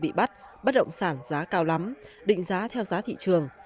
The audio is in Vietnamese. tôi bị bắt bắt động sản giá cao lắm định giá theo giá thị trường